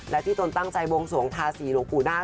และที่ตนตั้งใจวงสวงทาสีหลวงปู่นาค